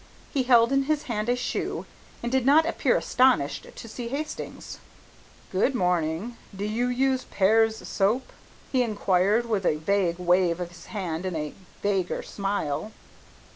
He held in his hand a shoe, and did not appear astonished to see Hastings. "Good morning, do you use Pears' soap?" he inquired with a vague wave of his hand and a vaguer smile.